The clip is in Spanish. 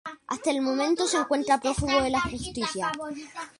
Hasta el momento se encuentra prófugo de la justicia.